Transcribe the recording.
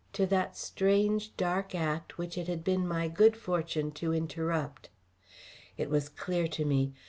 to that strange, dark act which it had been my good fortune to interrupt. It was clear to me.